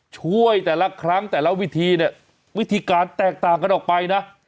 ช่วยแต่ละครั้งแต่ละวิธีเนี่ยวิธีการแตกต่างกันออกไปนะ